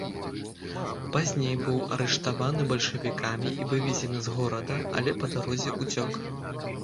Пазней быў арыштаваны бальшавікамі і вывезены з горада, але па дарозе уцёк.